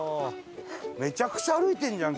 めちゃくちゃ歩いてんじゃん